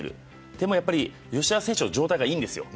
でも吉田選手の状態がいいんです。